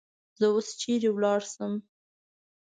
زه اوس چیری ولاړسم؟